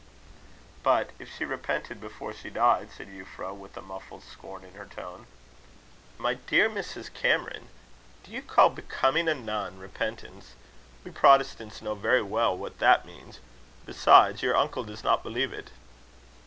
"But if she repented before she died?" said Euphra, with a muffled scorn in her tone. "My dear Miss Cameron, do you call becoming a nun repentance? We Protestants know very well what that means. Besides, your uncle does not believe it."